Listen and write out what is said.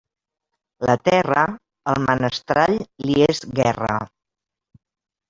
La terra, al menestral li és guerra.